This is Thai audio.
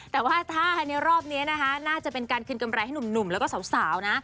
แต่ว่าถ้าในรอบนี้นะคะน่าจะเป็นการคืนกำไรให้หนุ่มแล้วก็สาวนะ